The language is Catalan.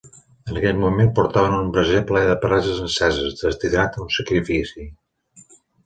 En aquell moment portaven un braser ple de brases enceses, destinat a un sacrifici.